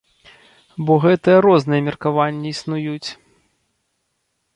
Бо гэтыя розныя меркаванні існуюць.